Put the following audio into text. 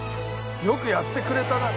「よくやってくれたな」